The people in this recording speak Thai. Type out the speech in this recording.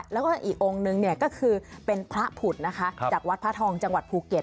แล้วก็อีกองค์นึงเนี่ยก็คือเป็นพระผุดนะคะจากวัดพระทองจังหวัดภูเก็ต